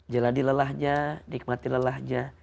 jalan di lelahnya nikmatin lelahnya